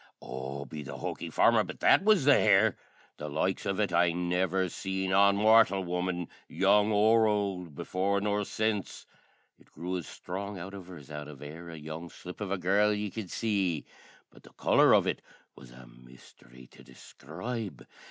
O, be the hoky farmer, but that was the hair! The likes of it I never seen on mortial woman, young or ould, before nor sense. It grew as sthrong out of her as out of e'er a young slip of a girl ye could see; but the colour of it was a misthery to describe.